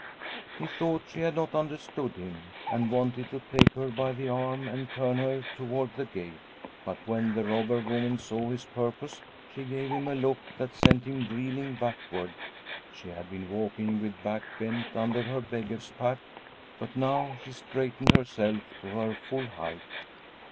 He thought she had not understood him, and wanted to take her by the arm and turn her toward the gate. But when the robber woman saw his purpose, she gave him a look that sent him reeling backward. She had been walking with back bent under her beggar's pack, but now she straightened herself to her full height.